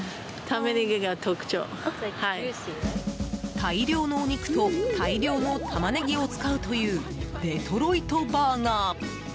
大量のお肉と大量のタマネギを使うというデトロイトバーガー。